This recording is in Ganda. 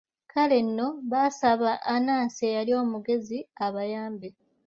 Kale nno baasaba Anansi eyali omugezi abayambe.